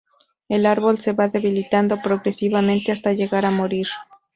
El árbol se va debilitando progresivamente hasta llegar a morir.